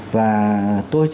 và tôi chỉ